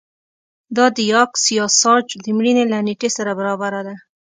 دا د یاکس یاساج د مړینې له نېټې سره برابره ده